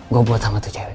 gue buat sama tuh cewek